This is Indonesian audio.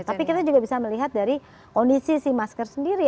tapi kita juga bisa melihat dari kondisi si masker sendiri